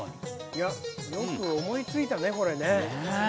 いやよく思いついたねこれね。